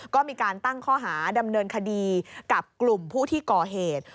ก็มีการตั้งข้อหาดำเนินคดีกับกลุ่มผู้ที่ก่อเหตุ